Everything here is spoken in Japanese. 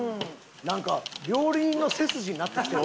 なんか料理人の背筋になってきてるな。